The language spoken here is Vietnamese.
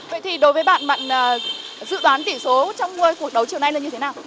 vậy thì đối với bạn dự đoán tỷ số trong cuộc đấu chiều nay là như thế nào